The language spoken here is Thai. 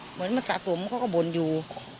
เหมือนมันสะสมเขาก็บ่นอยู่